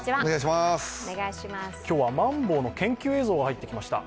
今日は、マンボウの研究映像が入ってきました。